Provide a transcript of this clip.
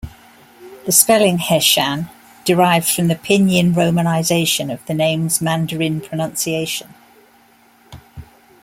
The spelling Heshan derives from the pinyin romanization of the name's Mandarin pronunciation.